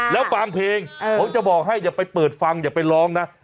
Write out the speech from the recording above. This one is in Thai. แล้วบางเพลงผมจะบอกให้อย่าไปเปิดฟังอย่าไปร้องนะ